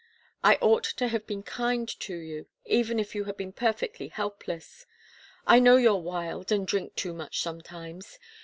I ought to have been kind to you, even if you had been perfectly helpless. I know you're wild, and drink too much sometimes.